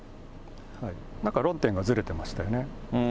なんか論点がずれてましたよね。